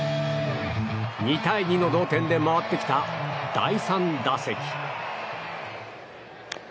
２対２の同点で回ってきた第３打席。